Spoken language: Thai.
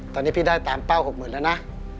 ตอนนี้พี่ได้ตามเป้า๖๐๐๐แล้วนะ